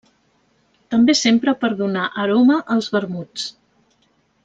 També s'empra per donar aroma als vermuts.